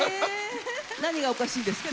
何がおかしいんですか？